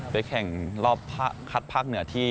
แข่งรอบคัดภาคเหนือที่